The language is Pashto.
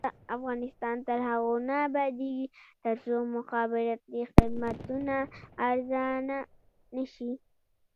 افغانستان تر هغو نه ابادیږي، ترڅو مخابراتي خدمتونه ارزانه نشي.